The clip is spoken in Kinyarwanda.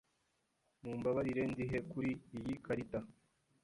Mumbabarire, ndihe kuri iyi karita?